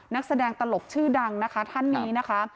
นักแสดงตลกชื่อดังนะคะท่านนี้นะคะ